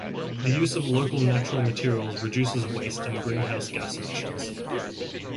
The use of local natural materials reduces waste and greenhouse gas emissions.